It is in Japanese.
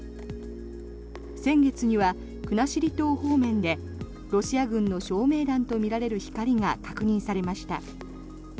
先月には国後島方面でロシア軍の照明弾とみられる光が確認されました。